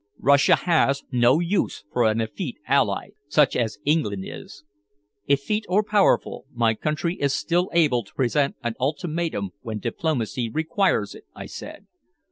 Russia has no use for an effete ally such as England is." "Effete or powerful, my country is still able to present an ultimatum when diplomacy requires it," I said.